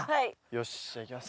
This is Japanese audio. よしじゃあいきます。